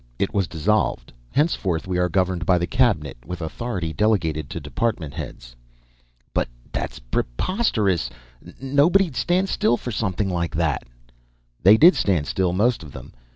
It was dissolved. Henceforth we are governed by the Cabinet, with authority delegated to department heads." "But that's preposterous! Nobody'd stand still for something like that!" "They did stand still, most of them.